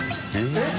えっ？